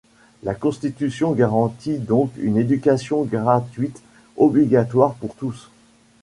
La constitution garantit donc une éducation gratuite, obligatoire pour tous.